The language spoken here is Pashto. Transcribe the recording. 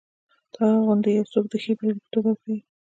تا غوندې یو څوک د ښې بېلګې په توګه وښیي.